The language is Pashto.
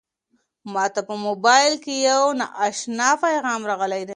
ما ته په موبایل کې یو نااشنا پیغام راغلی دی.